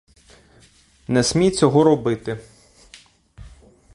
Не смій цього робити.